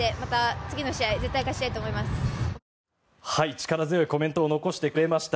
力強いコメントを残してくれました。